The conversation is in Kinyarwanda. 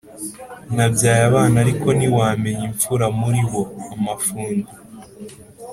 Nabyaye abana ariko ntiwamenya imfura muri bo-Amafundi.